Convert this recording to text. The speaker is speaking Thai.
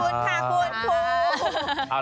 ขอบคุณค่ะคุณผู้